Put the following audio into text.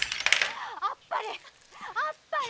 あっぱれあっぱれ！」。